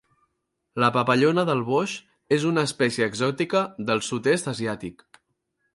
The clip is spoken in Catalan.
La papallona del boix és una espècie exòtica del sud-est asiàtic.